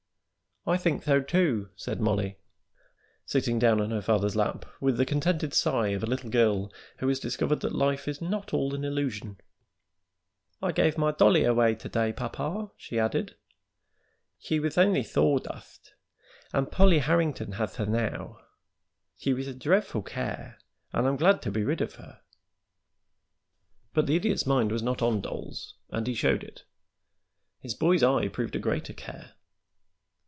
[Illustration: "'I GAVE MY DOLLY AWAY TO DAY'"] "I think tho, too," said Mollie, sitting down on her father's lap with the contented sigh of a little girl who has discovered that life is not all an illusion. "I gave my dollie away to day, papa," she added. "She wath only thawdust, and Pollie Harrington hath her now. She was a drefful care, and I'm glad to be ridden of her." But the Idiot's mind was not on dolls, and he showed it. His boy's eye proved a greater care.